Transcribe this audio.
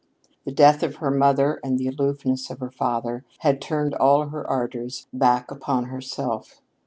The death of her mother and the aloofness of her father had turned all her ardors back upon herself.